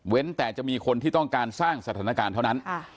แต่จะมีคนที่ต้องการสร้างสถานการณ์เท่านั้น